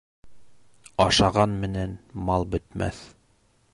Ашаған менән мал бөтмәҫ